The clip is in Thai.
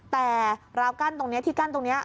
แต่ราวกั้นตรงนี้ที่กั้นตรงนี้